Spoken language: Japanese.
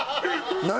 何？